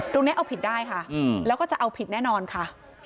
ตรงนี้เอาผิดได้ค่ะแล้วก็จะเอาผิดแน่นอนค่ะ